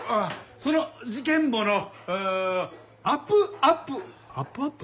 その『事件簿』のアップアップアップアップ？